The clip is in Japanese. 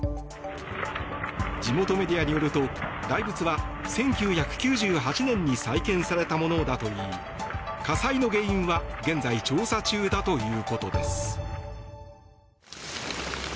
地元メディアによると、大仏は１９９８年に再建されたものだといい火災の原因は現在、調査中だということです。